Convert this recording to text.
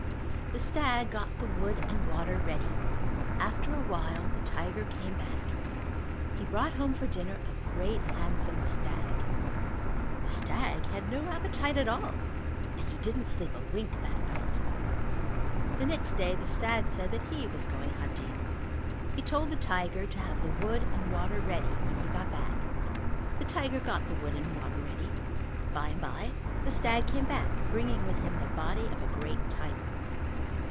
The stag got the wood and water ready. After a while the tiger came back. He brought home for dinner a great handsome stag. The stag had no appetite at all and he didn't sleep a wink that night. The next day the stag said that he was going hunting. He told the tiger to have the wood and water ready when he got back. The tiger got the wood and water ready. By and by the stag came back bringing with him the body of a great tiger.